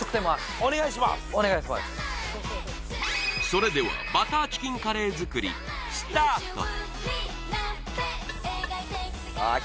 それではバターチキンカレー作りスタート！